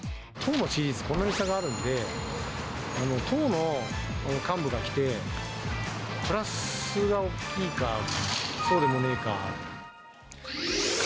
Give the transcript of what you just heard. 党の支持率こんなに差があるんで、党の幹部が来て、プラスが大きいか、そうでもねぇか。